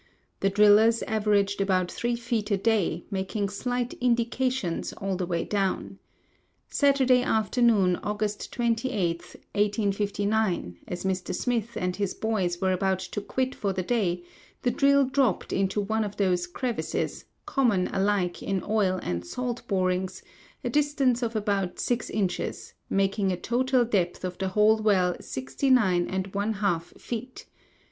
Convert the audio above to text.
The drillers averaged about three feet a day, making slight 'indications' all the way down. Saturday afternoon, August 28, 1859, as Mr. Smith and his boys were about to quit for the day, the drill dropped into one of those crevices, common alike in oil and salt borings, a distance of about six inches, making a total depth of the whole well sixty nine and one half feet.